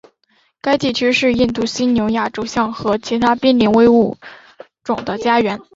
该地区是印度犀牛亚洲象和其他濒危物种的家园。